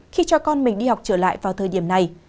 khi cho con mình đi học trở lại vào thời điểm này